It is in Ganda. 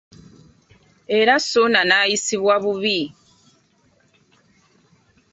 Era Ssuuna n’ayisibwa bubi.